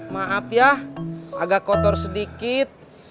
maaf ya agak kotor sedikit